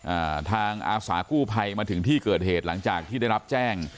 อ่าทางอาสากู้ภัยมาถึงที่เกิดเหตุหลังจากที่ได้รับแจ้ง